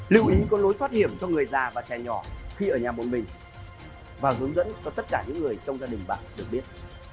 lưu ý có lối thoát hiểm cho người già và trẻ nhỏ khi ở nhà một mình và hướng dẫn cho tất cả những người trong gia đình bạn được biết